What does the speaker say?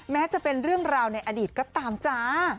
แม้จะเป็นเรื่องราวในอดีตก็ตามจ้า